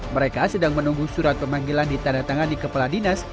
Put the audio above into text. mereka sedang menunggu surat pemanggilan di tanda tangan di kepala dinas